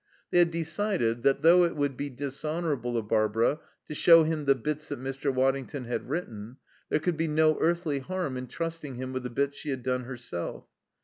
They had decided that, though it would be dishonourable of Barbara to show him the bits that Mr. Waddington had written, there could be no earthly harm in trusting him with the bits she had done herself.